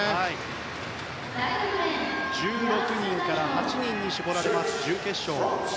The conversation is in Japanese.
１６人から８人に絞られる準決勝。